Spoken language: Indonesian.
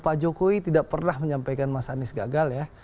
pak jokowi tidak pernah menyampaikan mas anies gagal ya